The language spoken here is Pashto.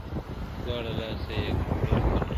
o دواړه لاسه يې کړل لپه.